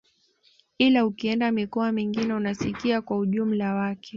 Ila ukienda mikoa mingine unasikia kwa ujumla wake